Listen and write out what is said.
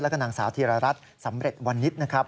แล้วก็นางสาวธีรรัฐสำเร็จวันนิษฐ์นะครับ